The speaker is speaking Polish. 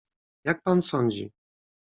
"Jak pan sądzi?"